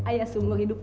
ayah semua hidup